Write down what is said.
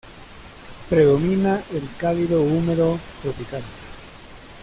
Predomina el cálido húmedo tropical.